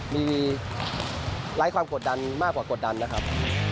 มีไร้ความกดดันมากกว่ากดดันนะครับ